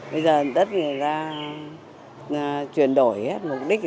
bây giờ đất người ta chuyển đổi hết mục đích